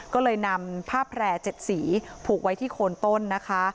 ก็เลยนำผ้าแพร่๗สีผูกไว้ที่โคนต้นนะคะ